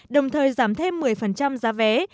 đồng thời giảm thêm một mươi giá vé